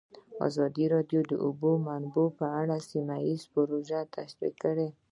ازادي راډیو د د اوبو منابع په اړه سیمه ییزې پروژې تشریح کړې.